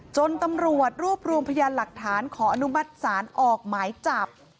จนตำรวจรวบรวมพยานหลักฐานขออนุมัติศาลออกหมายจับ